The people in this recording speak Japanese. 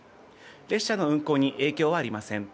列車の運行に影響はありません。